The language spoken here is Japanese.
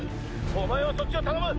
お前はそっちを頼む！」